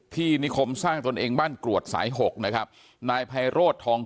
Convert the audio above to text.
นิคมสร้างตนเองบ้านกรวดสายหกนะครับนายไพโรธทอง